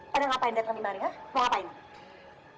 terus pada ngapain datang di maringan